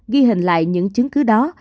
ghi hình lại những chứng cứ đó